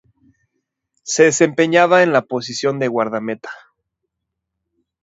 Se desempeñaba en la posición de guardameta.